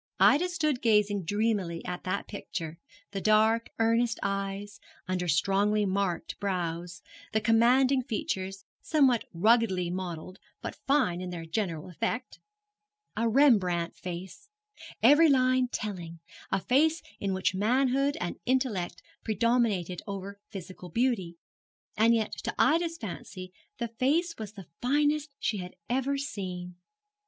Ida stood gazing dreamily at that picture the dark, earnest eyes, under strongly marked brows, the commanding features, somewhat ruggedly modelled, but fine in their general effect a Rembrandt face every line telling; a face in which manhood and intellect predominated over physical beauty; and yet to Ida's fancy the face was the finest she had ever seen.